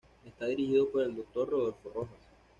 Está dirigido por el Dr. Rodolfo Rojas.